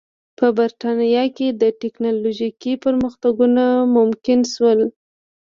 په برېټانیا کې ټکنالوژیکي پرمختګونه ممکن شول.